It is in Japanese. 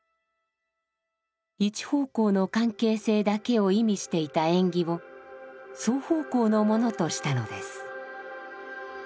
一方向の関係性だけを意味していた縁起を双方向のものとしたのです。